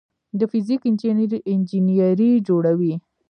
د فزیک انجینري جوړوي.